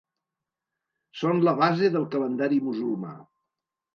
Són la base del calendari musulmà.